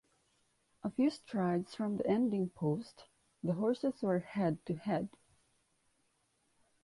A few strides from the ending post, the horses were head to head.